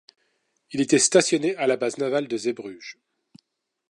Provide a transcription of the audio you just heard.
Il était stationné à la base navale de Zeebruges.